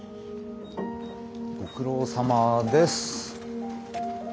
ご苦労さまです。